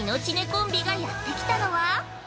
コンビがやってきたのは。